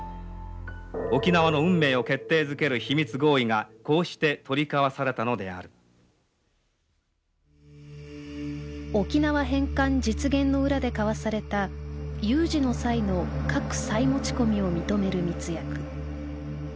沖縄の運命を決定づける秘密合意がこうして取り交わされたのである沖縄返還実現の裏で交わされた「有事の際の核再持ち込み」を認める密約。